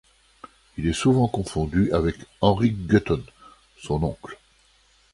Il est souvent confondu avec Henri Gutton, son oncle.